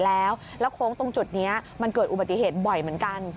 แล้วโค้งตรงจุดนี้มันเกิดอุบัติเหตุบ่อยเหมือนกัน